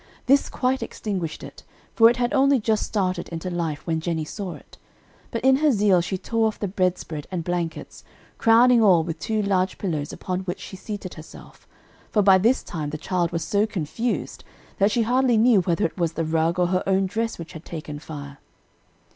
This quite extinguished it, for it had only just started into life when Jennie saw it; but in her zeal she tore off the bedspread and blankets, crowning all with two large pillows upon which she seated herself, for by this time the child was so confused that she hardly knew whether it was the rug or her own dress which had taken fire.